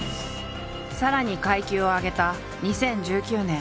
さらに階級を上げた２０１９年。